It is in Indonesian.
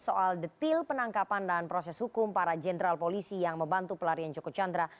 soal detil penangkapan dan proses hukum para jenderal polisi yang membantu pelarian joko chandra